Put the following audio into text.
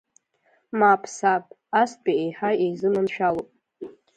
Мап, саб, астәи еиҳа иазыманшәалоуп.